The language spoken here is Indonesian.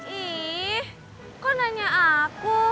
ih kok nanya aku